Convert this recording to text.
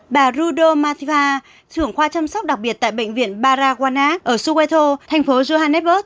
bà rudo mathiva thưởng khoa chăm sóc đặc biệt tại bệnh viện paragwana ở soweto thành phố johannesburg